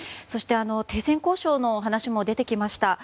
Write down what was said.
そして停戦交渉の話も出てきました。